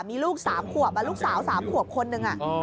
มีลูกสาว๓ควบลูกสาว๓ควบคนนึงอ่ะ